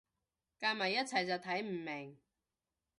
夾埋一齊就睇唔明